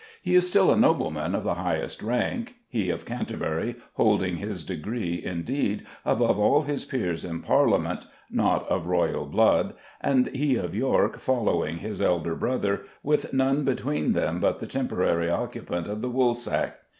He is still a nobleman of the highest rank, he of Canterbury holding his degree, indeed, above all his peers in Parliament, not of Royal blood, and he of York following his elder brother, with none between them but the temporary occupant of the woolsack.